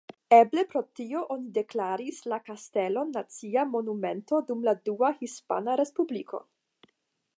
Eble pro tio oni deklaris la kastelon Nacia Monumento dum la Dua Hispana Respubliko.